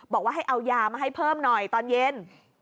บอกว่าให้เอายามาให้เพิ่มหน่อยตอนเย็น